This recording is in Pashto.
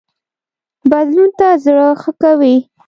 بدلون ته زړه ښه کوي